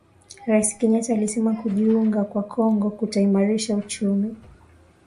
Rais Kenyatta alisema kujiunga kwa Kongo kutaimarisha uchumi